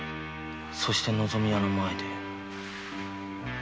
そして「のぞみ屋」の前で。